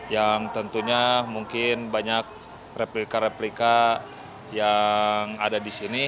yang tentunya mungkin banyak replika replika yang ada di sini